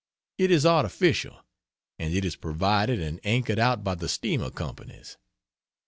It is artificial, and it is provided and anchored out by the steamer companies.